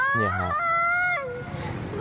บอล